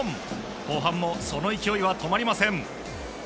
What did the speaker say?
後半もその勢いは止まりません。